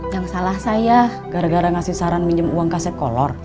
yang salah saya gara gara ngasih saran minjem uang ke sekolah